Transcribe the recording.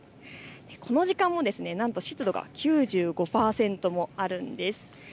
この時間もなんと湿度が９５％もあるんです。